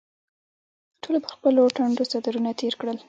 ټولو پر خپلو ټنډو څادرونه تېر کړل.